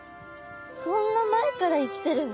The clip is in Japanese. そんな前から生きてるんですか？